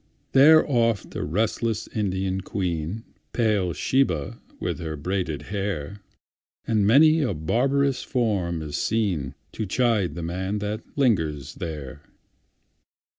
There oft a restless Indian queen(Pale Shebah with her braided hair),And many a barbarous form is seenTo chide the man that lingers there.